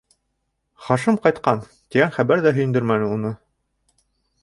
Хашим ҡайтҡан, тигән хәбәр ҙә һөйөндөрмәне уны.